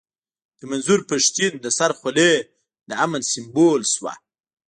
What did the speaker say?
د منظور پښتين د سر خولۍ د امن سيمبول شوه.